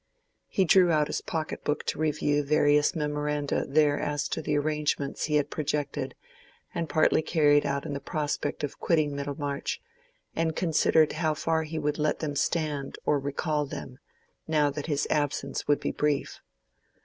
He drew out his pocket book to review various memoranda there as to the arrangements he had projected and partly carried out in the prospect of quitting Middlemarch, and considered how far he would let them stand or recall them, now that his absence would be brief.